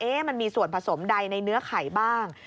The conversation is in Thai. มันมีส่วนผสมใดในเนื้อไข่บ้าง